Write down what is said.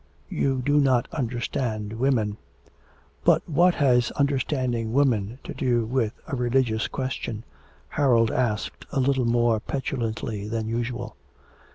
'You do not understand women.' 'But what has understanding women to do with a religious question?' Harold asked a little more petulantly than usual.